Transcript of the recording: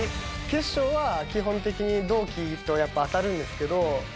決勝は基本的に同期とやっぱ当たるんですけど。